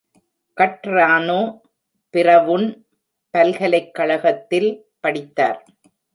கட்ரானோ, Brown பல்கலைக்கழகத்தில் படித்தார்.